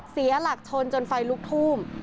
เสียหลักชนจนไฟลุกท่วม